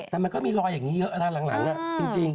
แต่มันก็มีรอยอย่างนี้เยอะนะหลังจริง